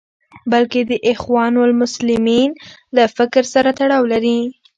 بلکې د اخوان المسلمین له فکر سره تړاو لري.